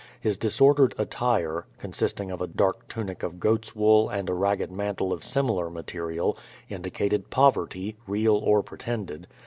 His disordered attire, consist ing of a dark tunic of goat's wool and a ragged mantle of sim ilar material, indicated poverty, real or pretended.